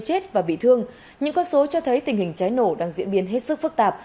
chết và bị thương những con số cho thấy tình hình cháy nổ đang diễn biến hết sức phức tạp